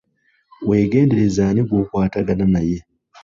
Wegendereze ani gw'okwatagana naye.